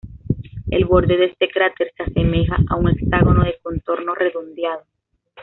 El borde de este cráter se asemeja a un hexágono de contorno redondeado.